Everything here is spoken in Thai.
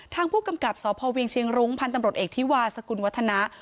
ทางผู้กำกับสพเวียงเชียงรุ้งพันธ์ตำรวจเอกธิวาสกุลวัฒนะ